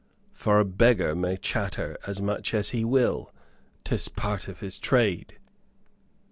"For a beggar may chatter as much as he will 'tis part of his trade."